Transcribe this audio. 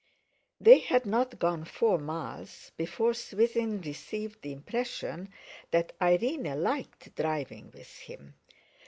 They had not gone four miles before Swithin received the impression that Irene liked driving with him.